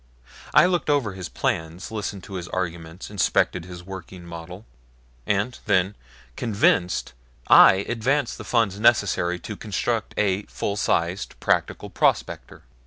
I looked over his plans, listened to his arguments, inspected his working model and then, convinced, I advanced the funds necessary to construct a full sized, practical prospector.